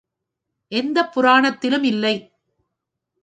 எந்தப் புராணத்திலும் இல்லை.